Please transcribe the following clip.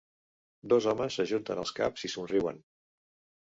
Dos homes ajunten els caps i somriuen.